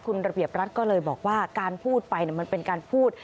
คุณระเบียบรัฐก็เลยบอกว่าการพูดไปมันเป็นการพูด